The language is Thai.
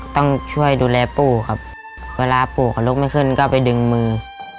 ต้องช่วยดูแลปู่ครับเวลาปู่เขาลุกไม่ขึ้นก็ไปดึงมือ